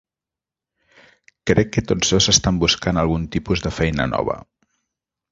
Crec que tots dos estan buscant algun tipus de feina nova.